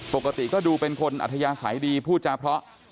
ปกติก็ดูเป็นคนอัธยาศัยดีพูดจาเพราะ